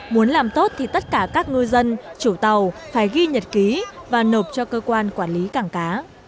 muốn làm tốt thì tất cả các ngư dân chủ tàu phải ghi nhật ký và nộp cho cơ quan quản lý cảng cá